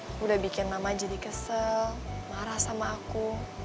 aku udah bikin mama jadi kesel marah sama aku